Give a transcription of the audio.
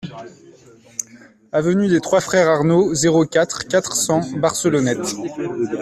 Avenue des Trois Frères Arnaud, zéro quatre, quatre cents Barcelonnette